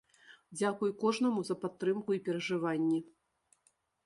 Дзякуй кожнаму за падтрымку і перажыванні.